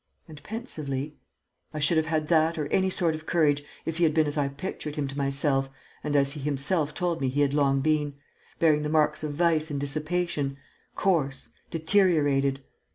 And, pensively, "I should have had that or any sort of courage, if he had been as I pictured him to myself and as he himself told me that he had long been: bearing the marks of vice and dissipation, coarse, deteriorated....